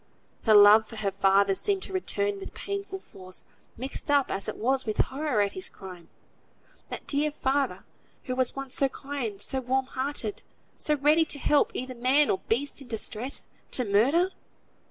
Her love for her father seemed to return with painful force, mixed up as it was with horror at his crime. That dear father, who was once so kind, so warm hearted, so ready to help either man or beast in distress, to murder!